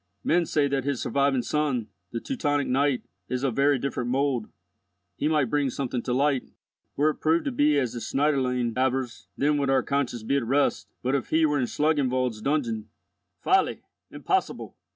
Men say that his surviving son, the Teutonic knight, is of very different mould. He might bring something to light. Were it proved to be as the Schneiderlein avers, then would our conscience be at rest; but, if he were in Schlangenwald's dungeon—" "Folly! Impossible!"